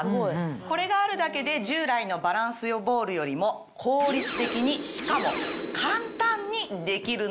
これがあるだけで従来のバランスボールよりも効率的にしかも簡単にできるんです。